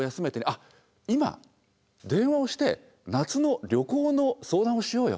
あっ今電話をして夏の旅行の相談をしようよ。